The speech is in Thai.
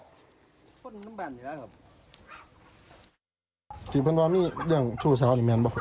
บอกน้ำแบบนี้แหละครับที่เพิ่มว่ามีเรื่องทุกสาวนี่แม่นบอก